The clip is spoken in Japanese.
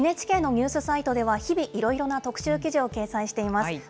ＮＨＫのニュースサイトでは、日々、いろいろな特集記事を掲載しています。